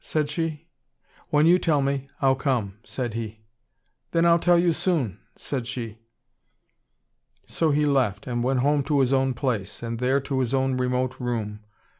said she. "When you tell me, I'll come," said he. "Then I'll tell you soon," said she. So he left, and went home to his own place, and there to his own remote room.